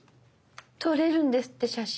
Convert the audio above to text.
撮れるんですって写真。